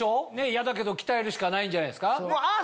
嫌だけど鍛えるしかないんじゃないですか？